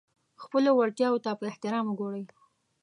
خپلو وړتیاوو ته په احترام وګورئ.